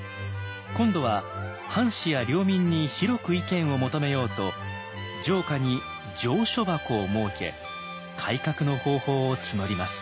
今度は藩士や領民に広く意見を求めようと城下に「上書箱」を設け改革の方法を募ります。